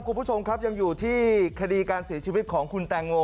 คุณผู้ชมครับยังอยู่ที่คดีการเสียชีวิตของคุณแตงโม